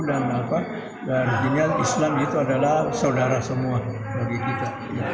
dan islam itu adalah saudara semua bagi kita